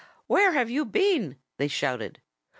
"Where have you been?" they shouted.